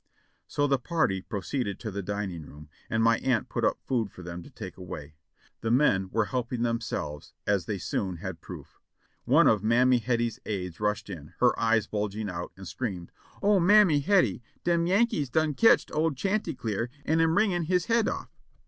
So the party proceeded to the dining room, and my aunt put up food for them to take away. The men were helping themselves, as they soon had proof. One of "Mammy Hettie's" aides rushed in, her eyes bulging out, and screamed: "O ^Mammy Hettie! dem Yankees dun ketched ole Chantvclear an' am wringin' his hedoff!"